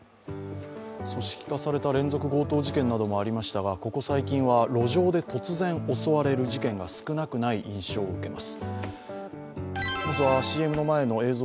組織化された連続強盗事件などもありましたがここ最近は路上で突然襲われる事件が少なくない印象を受けます。